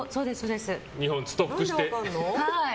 ２本ストックして。